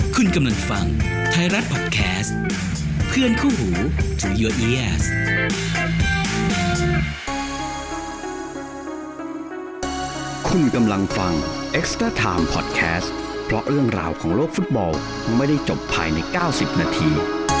คุณกำลังฟังไทยรัฐพอดแคสต์เพื่อนคู่หูที่คุณกำลังฟังพอดแคสต์พล็อกเรื่องราวของโลกฟุตบอลไม่ได้จบภายในเก้าสิบนาที